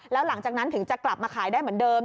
แล้วหลังจากนั้นถึงจะกลับมาขายได้เหมือนเดิม